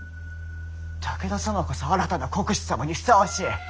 武田様こそ新たな国主様にふさわしい。